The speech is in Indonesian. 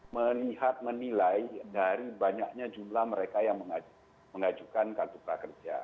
melihat menilai dari banyaknya jumlah mereka yang mengajukan kartu prakerja